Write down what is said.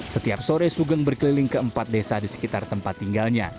setiap sore sugeng berkeliling ke empat desa di sekitar tempat tinggalnya